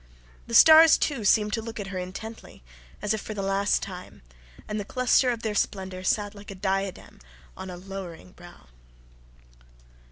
The stars, too, seemed to look at her intently, as if for the last time, and the cluster of their splendour sat like a diadem on a lowering brow.